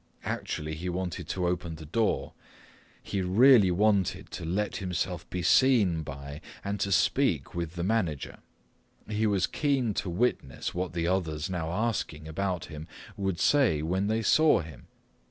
Actually, he wanted to open the door. He really wanted to let himself be seen by and to speak with the manager. He was keen to witness what the others now asking about him would say when they saw him.